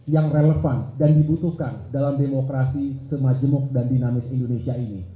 yang relevan dan dibutuhkan dalam demokrasi semajemuk dan dinamis indonesia ini